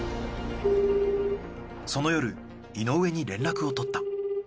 その夜井上に連絡を取った。